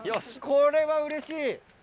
これはうれしい。